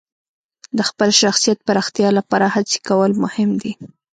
د خپل شخصیت پراختیا لپاره هڅې کول مهم دي.